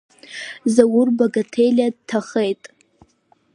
Заур Багаҭелиа дҭахеит.